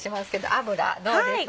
油どうですか？